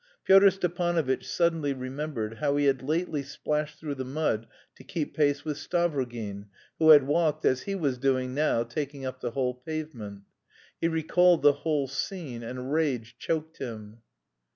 Pyotr Stepanovitch suddenly remembered how he had lately splashed through the mud to keep pace with Stavrogin, who had walked, as he was doing now, taking up the whole pavement. He recalled the whole scene, and rage choked him.